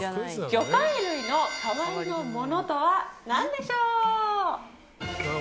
魚介類の代わりのものとは何でしょう？